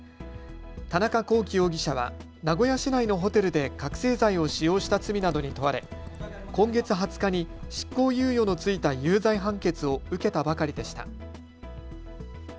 田中聖容疑者は名古屋市内のホテルで覚醒剤を使用した罪などに問われ今月２０日に執行猶予の付いた有罪判決を受けたばかりでした。